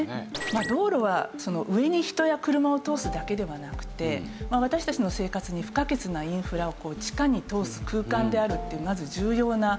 道路は上に人や車を通すだけではなくて私たちの生活に不可欠なインフラを地下に通す空間であるっていうまず重要な役割を担ってます。